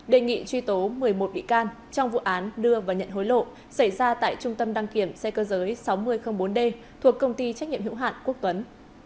đề nghị truy tố một mươi một bị can trong vụ án đưa và nhận hối lộ xảy ra tại trung tâm đăng kiểm xe cơ giới sáu nghìn bốn d thuộc công ty trách nhiệm hữu hạn quốc tuấn